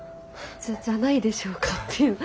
「じゃないでしょうか」っていう。